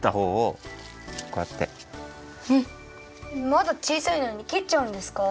まだ小さいのにきっちゃうんですか？